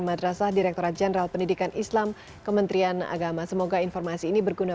madrasah direkturat jenderal pendidikan islam kementerian agama semoga informasi ini berguna